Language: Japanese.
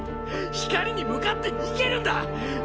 光に向かって逃げるんだ！